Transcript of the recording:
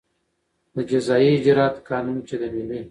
د جزایي اجراآتو قانون چې د ملي